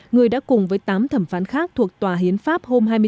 người đã cùng với tám thẩm phán khác thuộc tòa hiến pháp hôm hai